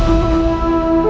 ibu bunda disini nak